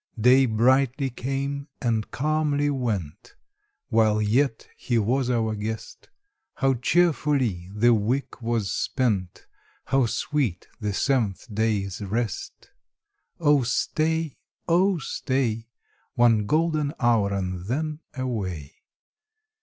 Days brightly came and calmly went, While yet he was our guest; How cheerfully the week was spent! How sweet the seventh day's rest! Oh stay, oh stay, One golden hour, and then away.